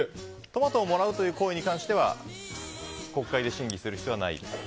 トマトをもらうという行為に関しては国会で審議する必要はない？